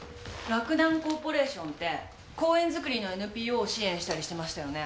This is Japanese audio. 洛南コーポレーションって公園造りのＮＰＯを支援したりしてましたよね？